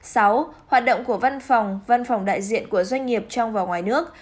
sáu hoạt động của văn phòng văn phòng đại diện của doanh nghiệp trong và ngoài nước